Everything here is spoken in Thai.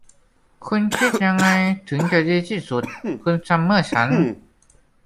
คุณคิดยังไงถึงจะดีที่สุด คุณซัมเมอร์สัน